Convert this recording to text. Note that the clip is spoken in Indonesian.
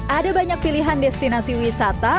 ada banyak pilihan destinasi wisata